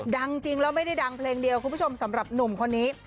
จริงแล้วไม่ได้ดังเพลงเดียวคุณผู้ชมสำหรับหนุ่มคนนี้